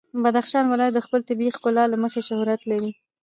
بدخشان ولایت د خپل طبیعي ښکلا له مخې شهرت لري.